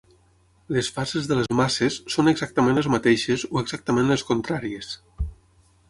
Les fases de les masses són exactament les mateixes o exactament les contràries.